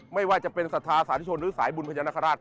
ไม่ว่าจะเป็นศรัทธาสาธุชนหรือสายบุญพญานาคาราช